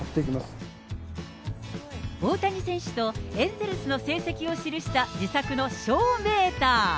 大谷選手とエンゼルスの成績を記した自作のショーメーター。